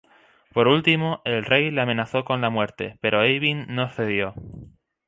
Por último el rey le amenazó con la muerte, pero Eyvind no cedió.